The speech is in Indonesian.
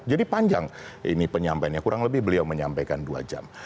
jadi panjang ini penyampaiannya kurang lebih beliau menyampaikan dua jam